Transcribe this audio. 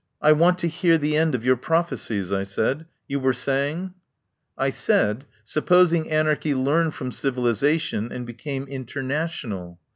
"I want to hear the end of your prophe cies," I said. "You were saying ?" "I said — supposing anarchy learned from civilisation and became international.